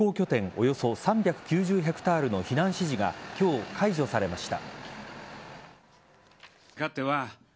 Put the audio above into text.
およそ３９０ヘクタールの避難指示が今日、解除されました。